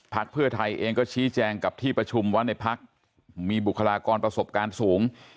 เพื่อไทยเองก็ชี้แจงกับที่ประชุมว่าในพักมีบุคลากรประสบการณ์สูง